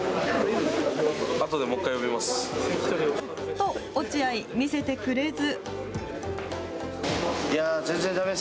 と、落合、見せてくれず。